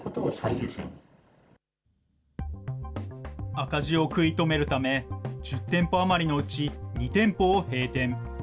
赤字を食い止めるため、１０店舗余りのうち２店舗を閉店。